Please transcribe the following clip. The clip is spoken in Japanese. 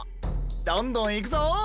どんどんいくぞ！